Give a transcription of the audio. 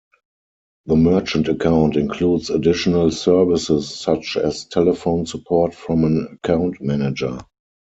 The merchant account includes additional services such as telephone support from an account manager.